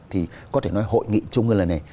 thì có thể nói hội nghị trung ương lần này